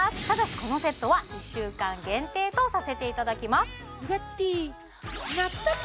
ただしこのセットは１週間限定とさせていただきます